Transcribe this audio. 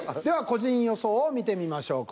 個人予想を見てみましょう。